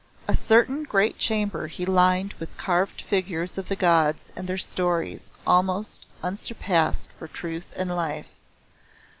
A certain great chamber he lined with carved figures of the Gods and their stories, almost unsurpassed for truth and life.